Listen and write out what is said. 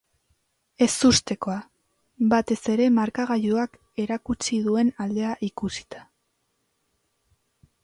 Ezustekoa, batez ere markagailuak erakutsi duen aldea ikusita.